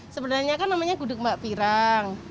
sebenarnya kan namanya gudeg mbak pirang